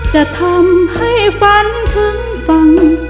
จะทำให้ฝันถึงฟัง